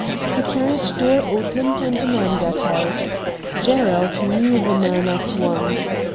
The carriage door opened and a man got out. Gerald knew the man at once.